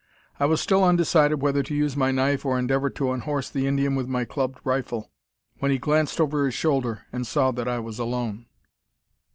I was still undecided whether to use my knife or endeavour to unhorse the Indian with my clubbed rifle, when he glanced over his shoulder and saw that I was alone.